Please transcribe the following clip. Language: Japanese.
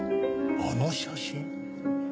あの写真？